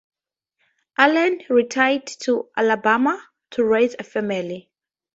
Allen retired to Alabama to raise a family.